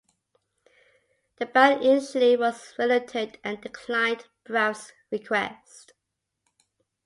The band initially was reluctant and declined Braff's request.